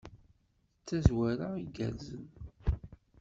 D tazwara igerrzen.